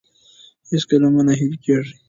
هېڅکله مه ناهیلي کیږئ.